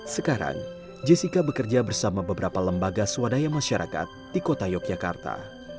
sekarang jessica bekerja bersama beberapa lembaga swadaya masyarakat di kota yogyakarta